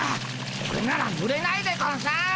これならぬれないでゴンス。